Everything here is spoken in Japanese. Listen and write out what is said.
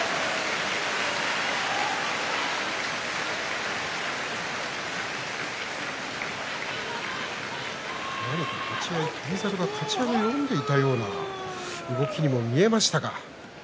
拍手何か立ち合い翔猿のかち上げを読んでいるような立ち合いにも見えました。